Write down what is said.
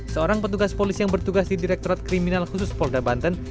seorang petugas polisi yang bertugas di direktorat kriminal khusus polda banten